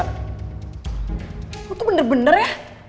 lo tuh bener bener ya